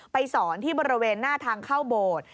สอนที่บริเวณหน้าทางเข้าโบสถ์